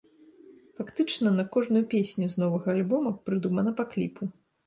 Фактычна на кожную песню з новага альбома прыдумана па кліпу.